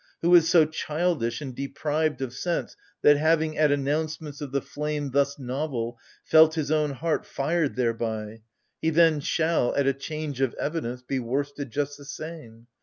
Who is so childish and deprived of sense That, having, at announcements of the flame Thus novel, felt his own heart fired thereby, He then shall, at a change of evidence, Be worsted just the same